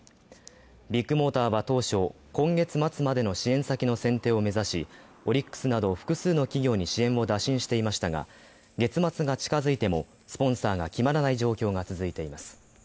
ビッグモーターは当初今月末までの支援先の選定を目指し、オリックスなど複数の企業に支援を打診していましたが、月末が近付いてもスポンサーが決まらない状況が続いています。